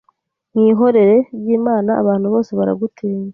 Mwihorere ry'Imana Abantu bose baragutinya